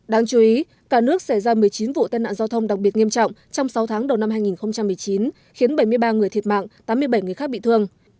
đáng chú ý cả nước xảy ra một mươi chín vụ tai nạn giao thông đặc biệt nghiêm trọng trong sáu tháng đầu năm hai nghìn một mươi chín khiến bảy mươi ba người thiệt mạng tám mươi bảy người khác bị thương